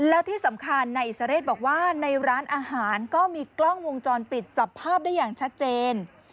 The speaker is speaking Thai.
แล้วที่สำคัญนายอิสระเรศบอกว่าในร้านอาหารก็มีกล้องวงจรปิดจับภาพได้อย่างชัดเจน